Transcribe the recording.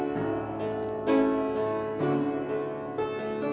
mbak desi nyanyi